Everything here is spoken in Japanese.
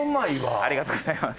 ありがとうございます。